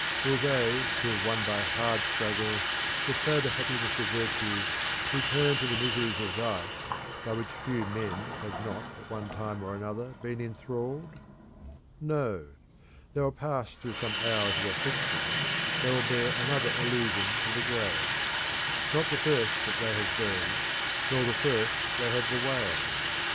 Will they who have won by hard struggles the sober happiness of virtue return to the miseries of vice by which few men have not at one time or another been enthralled? No; they will pass through some hours of affliction; they will bear another illusion to the grave; not the first that they have buried, not the first they have bewailed.